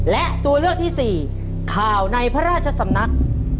และตัวเลือกที่๔ข่าวในพระราชสำนัก